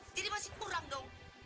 jadi masih kurang dong